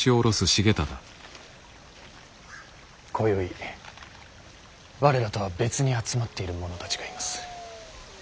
今宵我らとは別に集まっている者たちがいます。